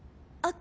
あ！？